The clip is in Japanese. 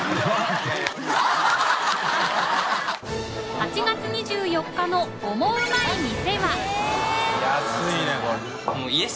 ８月２４日の「オモウマい店」はえっ！